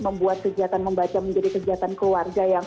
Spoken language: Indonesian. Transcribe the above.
membuat kegiatan membaca menjadi kegiatan keluarga yang